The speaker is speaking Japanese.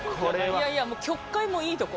いやいやもう曲解もいいとこ。